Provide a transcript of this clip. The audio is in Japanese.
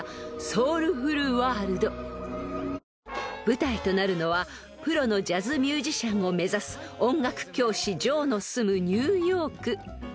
［舞台となるのはプロのジャズミュージシャンを目指す音楽教師ジョーの住むニューヨーク］